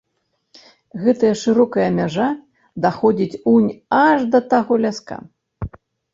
Гэтая шырокая мяжа даходзіць унь аж да таго ляска.